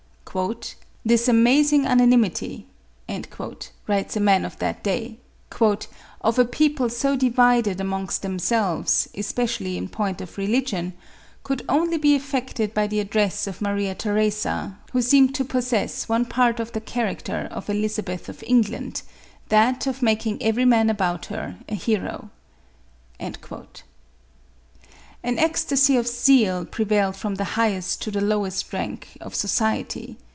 " This amazing unanimity," writes a man of that day, " of a people so divided amongst themselves, especially in point of re ligion, could only be effected by the address of Maria Theresa, who seemed to possess one part of the charac ter of Elizabeth of England, that of making every man about her a hero." An ecstacy of zeal prevailed from the highest to the lowest rank of society.